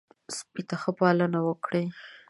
سپي ته ښه پالنه وکړئ.